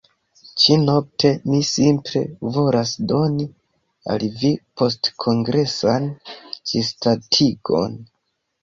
Ĉi-nokte mi simple volas doni al vi postkongresan ĝisdatigon